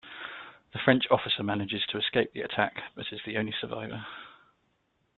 The French officer manages to escape the attack, but is the only survivor.